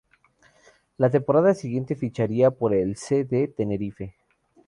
La temporada siguiente ficharía por el C. D. Tenerife.